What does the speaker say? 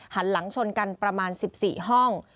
หันหลังชนกันประมาณ๑๔ห้อง